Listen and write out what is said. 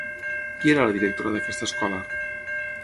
Qui era la directora d'aquesta escola?